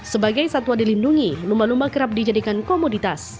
sebagai satwa dilindungi lumba lumba kerap dijadikan komoditas